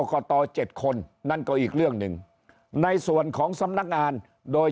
กต๗คนนั่นก็อีกเรื่องหนึ่งในส่วนของสำนักงานโดย